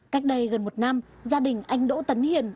cách đây gần một năm gia đình anh đỗ tấn hiền